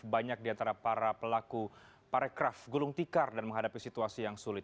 banyak di antara para pelaku parekraf gulung tikar dan menghadapi situasi yang sulit